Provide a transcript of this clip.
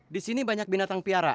disini banyak binatang piaraan ya